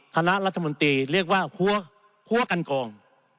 คณะรัฐมนตรีเรียกว่าหัวกันกอง